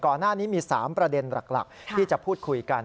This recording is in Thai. ก่อนหน้านี้มี๓ประเด็นหลักที่จะพูดคุยกัน